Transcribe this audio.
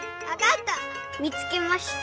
みつけました。